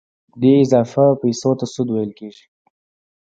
دې اضافي پیسو ته سود ویل کېږي